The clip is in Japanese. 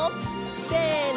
せの！